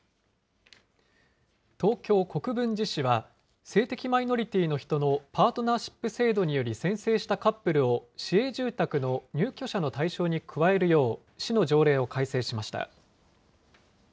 東京・国分寺市は、性的マイノリティーの人のパートナーシップ制度により、宣誓したカップルを市営住宅の入居者の対象に加えるよう、市の条例を改正しました。